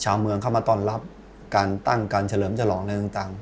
ชาวเมืองเข้ามาต้อนรับการตั้งการเฉลิมฉลองอะไรต่าง